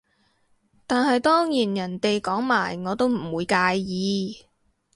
但係當然人哋講埋我都唔會介意